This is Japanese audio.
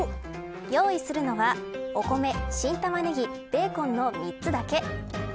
用意するのは、お米、新タマネギベーコンの３つだけ。